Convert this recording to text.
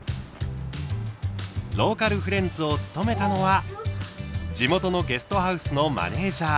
ローカルフレンズを務めたのは地元のゲストハウスのマネージャー